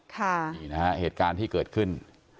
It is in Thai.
นี่นะฮะเหตุการณ์ที่เกิดขึ้น